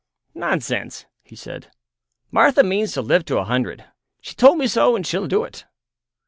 "Nonsense," he said; "Martha means to live to a hundred. She told me so, and she'll do it."